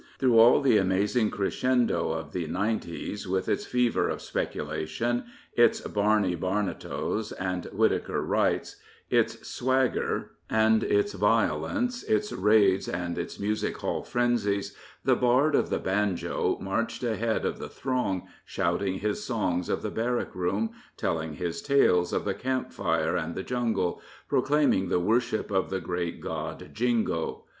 Through all the amazing c reso endo of the 'nineties, with its fever of speculation, it^ Barney Bamatos and Whitaker Wrights, its swagger and its 3^4 Rudyard Kipling violence, its raids and its music hall frepjties, the bard of the banjo marched ahead of the throng, shouting his songs of the barrack room, telling his tales of the camp fire and the jungle, proclaiming the worship of the great god Jingo.